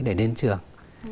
để đến trường